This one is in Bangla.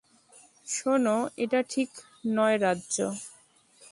শোন, এটা ঠিক নয় রাজ্জো।